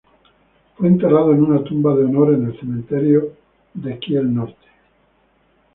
Fue enterrado en una tumba de honor en el cementerio de Kiel-Norte.